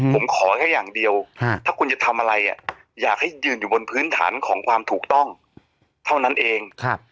ผมขอแค่อย่างเดียวถ้าคุณจะทำอะไรอยากให้ยืนอยู่บนพื้นฐานของความถูกต้องเท่านั้นเอง